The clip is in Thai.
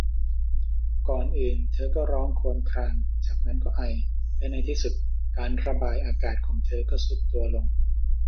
ก่อนอื่นเธอก็ร้องครวญครางจากนั้นก็ไอและในที่สุดการระบายอากาศของเธอก็ทรุดตัวลง